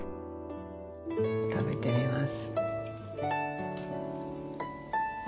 食べてみます。